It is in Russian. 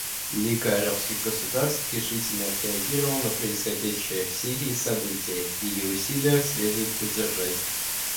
Лига арабских государств решительно отреагировала на происходящие в Сирии события; ее усилия следует поддержать.